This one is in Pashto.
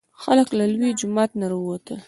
خلک له لوی جومات نه راوتل.